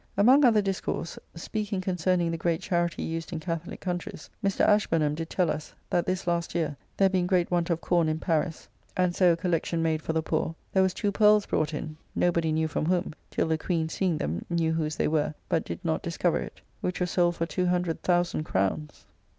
Among other discourse, speaking concerning the great charity used in Catholic countrys, Mr. Ashburnham did tell us, that this last year, there being great want of corn in Paris, and so a collection made for the poor, there was two pearls brought in, nobody knew from whom (till the Queen, seeing them, knew whose they were, but did not discover it), which were sold for 200,000 crownes.